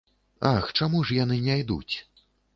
Ах, чаму ж яны не ідуць?